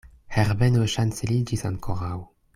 Herbeno ŝanceliĝis ankoraŭ.